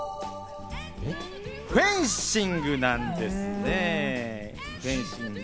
フェンシングなんです。